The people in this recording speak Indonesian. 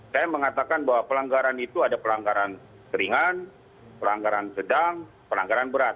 saya mengatakan bahwa pelanggaran itu ada pelanggaran ringan pelanggaran sedang pelanggaran berat